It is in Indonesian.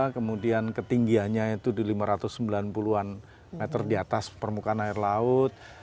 kemudian ketinggiannya itu di lima ratus sembilan puluh an meter di atas permukaan air laut